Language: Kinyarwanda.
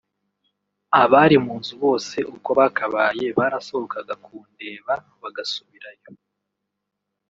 abari mu nzu bose uko bakabaye barasohokaga kundeba bagasubirayo